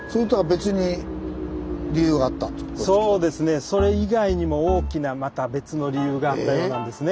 そうですねそれ以外にも大きなまた別の理由があったようなんですね。